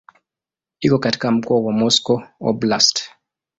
Iko katika mkoa wa Moscow Oblast.